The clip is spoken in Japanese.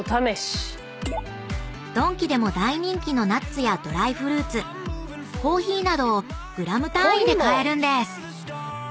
［ドンキでも大人気のナッツやドライフルーツコーヒーなどをグラム単位で買えるんです］